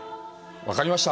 分かりました。